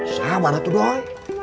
sama ada tuh doi